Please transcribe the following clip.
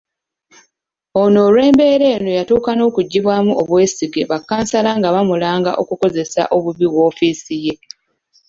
Ono olw’embeera eno yatuuka n’okuggyibwamu obwesige bakkansala nga bamulanga okukozesa obubi woofiisi ye.